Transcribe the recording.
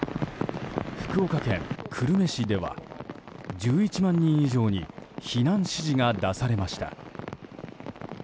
福岡県久留米市では１１万人以上に避難指示が出されました。